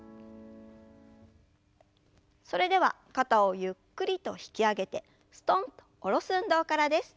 それでは肩をゆっくりと引き上げてすとんと下ろす運動からです。